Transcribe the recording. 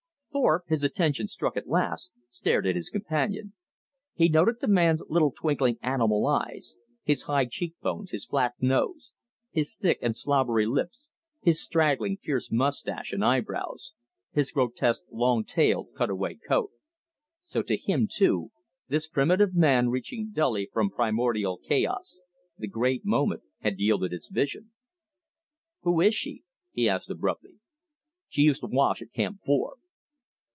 Thorpe, his attention struck at last, stared at his companion. He noted the man's little twinkling animal eyes, his high cheek bones, his flat nose, his thick and slobbery lips, his straggling, fierce mustache and eyebrows, his grotesque long tailed cutaway coat. So to him, too, this primitive man reaching dully from primordial chaos, the great moment had yielded its vision. "Who is she?" he asked abruptly. "She used to wash at Camp Four."